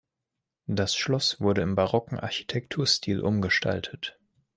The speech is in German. Das Schloss wurde im barocken Architekturstil umgestaltet.